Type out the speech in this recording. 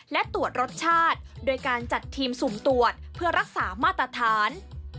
และตรวจรสชาติโดยการจัดทีมสุ่มตรวจเพื่อรักษามาตรฐาน